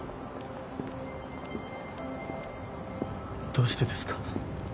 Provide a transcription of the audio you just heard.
どうしてですか？